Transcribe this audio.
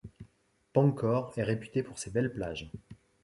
Pangkor est réputée pour ses belles plages.